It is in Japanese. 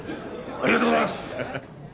ありがとうございます！